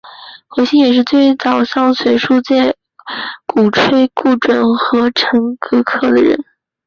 何新也是最早向学术界鼓吹顾准和陈寅恪的人。